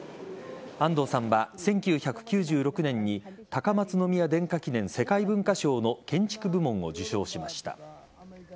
安藤さんは１９９６年に高松宮殿下記念世界文化賞の建築部門を受賞しました。